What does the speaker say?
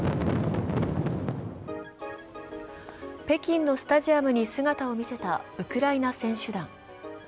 北京のスタジアに姿を見せたウクライナ選手団。